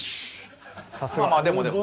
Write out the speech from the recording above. まあまあでもでも。